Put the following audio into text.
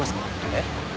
えっ？